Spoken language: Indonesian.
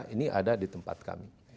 ini ada di tempat kami